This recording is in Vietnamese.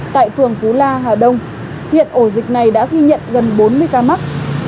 tại phường phú la hà đông hiện ổ dịch này đã ghi nhận gần bốn mươi ca mắc